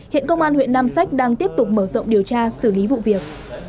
hiện công an huyện nam sách đang tiếp tục mở rộng điều tra xử lý vụ việc